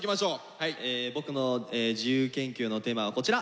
僕の自由研究のテーマはこちら。